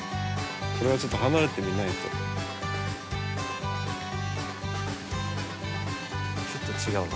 これはちょっと離れて見ないと。